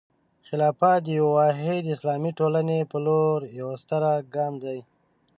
خلافت د یوې واحدې اسلامي ټولنې په لور یوه ستره ګام دی.